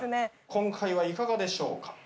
今回はいかがでしょうか？